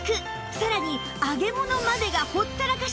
さらに揚げ物までがほったらかし！